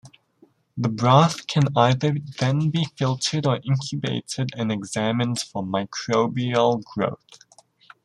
The broth can either then be filtered or incubated and examined for microbial growth.